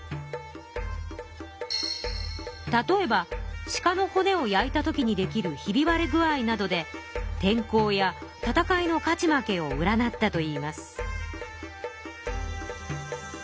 例えば鹿の骨を焼いたときにできるひびわれ具合などで天候や戦いの勝ち負けを占ったといいます。